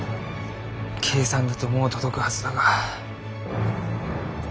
計算だともう届くはずだが。